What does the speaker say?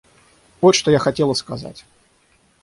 Вот что я хотела сказать.